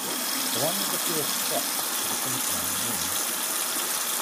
The one with the fewest shots to the finish line wins.